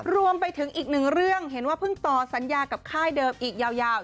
รวมไปถึงอีกหนึ่งเรื่องเห็นว่าเพิ่งต่อสัญญากับค่ายเดิมอีกยาว